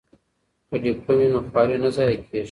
که ډیپلوم وي نو خواري نه ضایع کیږي.